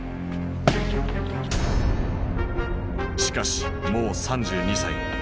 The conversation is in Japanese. しかしもう３２歳。